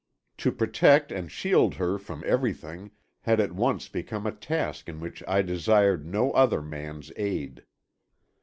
To protect and shield her from everything had at once become a task in which I desired no other man's aid.